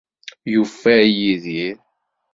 Yufay Yidir!